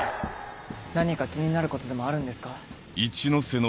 何か気になることでもあるんですか？